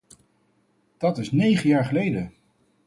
Dat is negen jaar geleden!